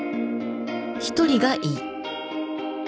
１人がいい。